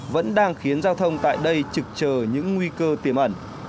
vẫn đang khiến giao thông tại đây trực chờ những nguy cơ tiềm ẩn